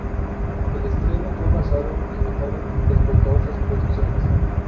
El estreno fue bastante limitado respecto a otras producciones.